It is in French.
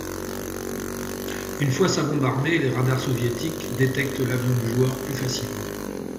Une fois sa bombe armée, les radars soviétiques détecte l'avion du joueur plus facilement.